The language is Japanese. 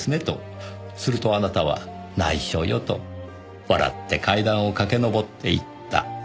するとあなたは「内緒よ」と笑って階段を駆け上っていった。